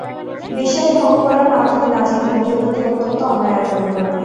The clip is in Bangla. বিশ্বাস ভঙ্গ করার মাধ্যমে নাজিম বন্ধুর প্রতি অত্যন্ত অন্যায় আচরণ করে।